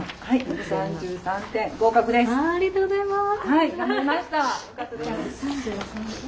はい。